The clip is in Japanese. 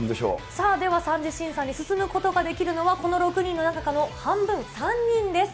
さあ、では３次審査に進むことができるのは、この６人の中の半分、３人です。